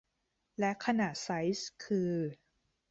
และขนาดไซซ์คือ